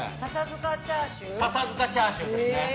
笹塚チャーシュー、へー。